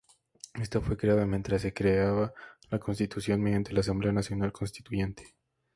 Esta fue creada mientras se creaba la Constitución, mediante la Asamblea Nacional Constituyente.